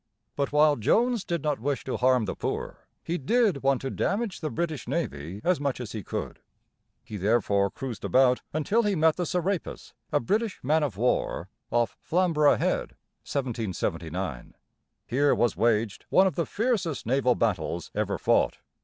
But while Jones did not wish to harm the poor, he did want to damage the British navy as much as he could. He therefore cruised about until he met the Se rā´pis, a British man of war, off Flam´ bor ough Head(1779). Here was waged one of the fiercest naval battles ever fought.